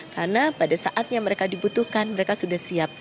karena pada saat yang mereka dibutuhkan mereka sudah siap